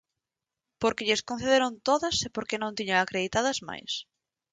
Porque lles concederon todas e porque non tiñan acreditadas máis.